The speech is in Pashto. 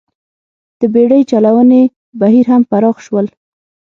د بېړۍ چلونې بهیر هم پراخ شول.